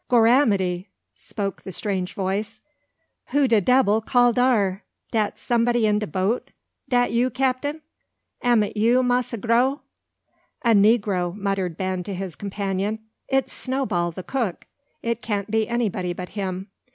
"Gorramity!" spoke the strange voice, "who de debbil call dar? Dat some'dy in de boat? Dat you, Capten? Am it you, Massa Grow?" "A negro," muttered Ben to his companion. "It's Snowball, the cook. It can't be anybody but him.